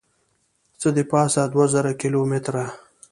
څه دپاسه دوه زره کیلو متره